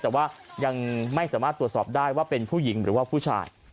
แต่ว่ายังไม่สามารถตรวจสอบได้ว่าเป็นผู้หญิงหรือว่าผู้ชาย